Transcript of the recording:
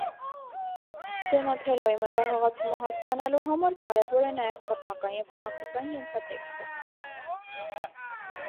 Դոնատելլոյի մտահղացումը հասկանալու համար կարևոր է նաև պատմական և քաղաքական ենթատեքստը։